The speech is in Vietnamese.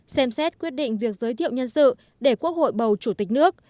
xem xét quyết định việc giới thiệu nhân sự để quốc hội bầu chủ tịch nước